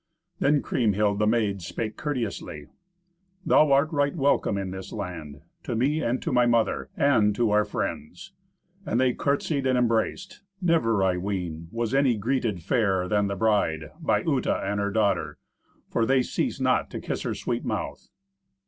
Then Kriemhild, the maid, spake courteously, "Thou art right welcome in this land, to me and to my mother, and to our friends." And they courtsied and embraced. Never, I ween, was any greeted fairer than the bride, by Uta and her daughter, for they ceased not to kiss her sweet mouth.